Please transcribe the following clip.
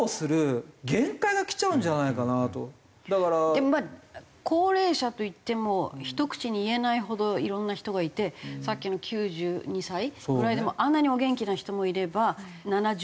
でもまあ高齢者といってもひと口に言えないほどいろんな人がいてさっきの９２歳ぐらいでもあんなにお元気な人もいれば七十